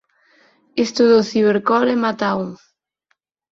Isto do cibercole mata a un.